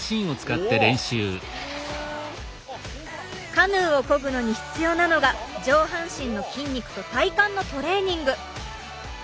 カヌーをこぐのに必要なのが上半身の筋肉と体幹のトレーニング。